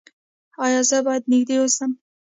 ایا زه باید نږدې اوسم؟